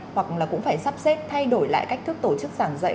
hoặc là cũng phải sắp xếp thay đổi lại cách thức tổ chức giảng dạy